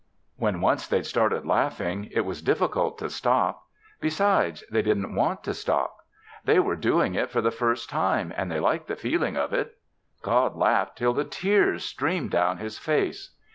When once they'd started laughing it was difficult to stop. Besides, they didn't want to stop. They were doing it for the first time and they liked the feeling of it. God laughed till the tears streamed down His face.